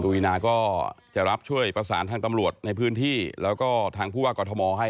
วีนาก็จะรับช่วยประสานทางตำรวจในพื้นที่แล้วก็ทางผู้ว่ากอทมให้